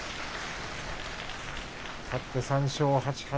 勝って３勝８敗